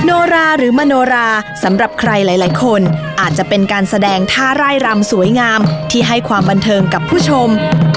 โนราหรือมโนราสำหรับใครหลายคนอาจจะเป็นการแสดงท่าร่ายรำสวยงามที่ให้ความบันเทิงกับผู้ชม